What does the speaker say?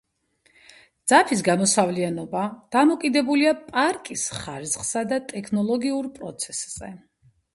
ძაფის გამოსავლიანობა დამოკიდებულია პარკის ხარისხსა და ტექნოლოგიურ პროცესზე.